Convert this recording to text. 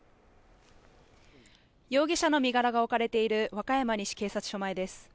容疑者の身柄が置かれている和歌山西警察署前です。